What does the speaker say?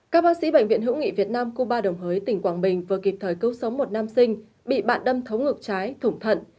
các bác sĩ bệnh viện hữu nghị việt nam cuba đồng hới tỉnh quảng bình vừa kịp thời cứu sống một nam sinh bị bạn đâm thấu ngược trái thủng thận